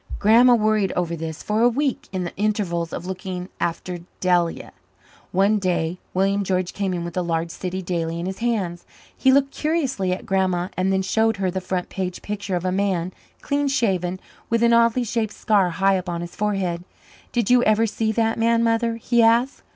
Grandma worried over this for a week in the intervals of looking after Delia. One day William George came in with a large city daily in his hands. He looked curiously at Grandma and then showed her the front page picture of a man, clean shaven, with an oddly shaped scar high up on his forehead. "Did you ever see that man, Mother?" he asked.